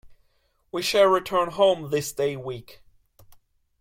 We shall return home this day week.